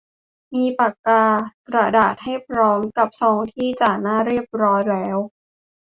มีปากกา กระดาษ ให้พร้อมกับซองที่จ่าหน้าเรียบร้อยแล้ว